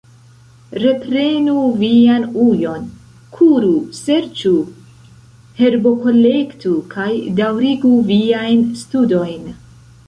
Reprenu vian ujon, kuru, serĉu, herbokolektu, kaj daŭrigu viajn studojn.